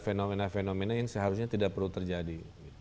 fenomena fenomena yang seharusnya tidak perlu terjadi